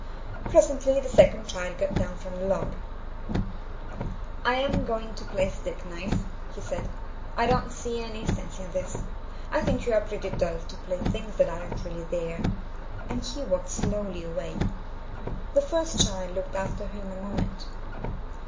Presently the second child got down from the log. '1 am going to play stick knife," he said. '1 don't see any sense in this. I think you are pretty dull to play things that aren't really there." And he walked slowly away. The first child looked after him a moment.